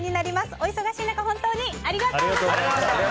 お忙しい中、本当にありがとうございました。